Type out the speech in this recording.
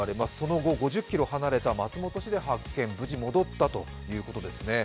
その後、５０ｋｍ離れた松本市で発見、無事戻ったということですね。